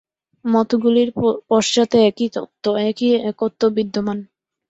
মতগুলির পশ্চাতে একই তত্ত্ব, একই একত্ব বিদ্যমান।